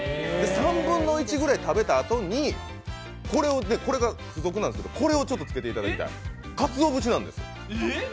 ３分の１ぐらい食べたあとに、これが付属なんですけど、これをつけていただきたい、かつお節なんです。